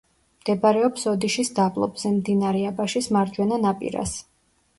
მდებარეობს ოდიშის დაბლობზე, მდინარე აბაშის მარჯვენა ნაპირას.